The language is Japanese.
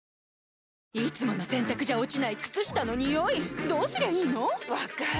いつもの洗たくじゃ落ちない靴下のニオイどうすりゃいいの⁉分かる。